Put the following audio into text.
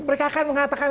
mereka akan mengatakan